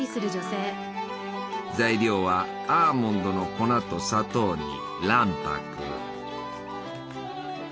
材料はアーモンドの粉と砂糖に卵白。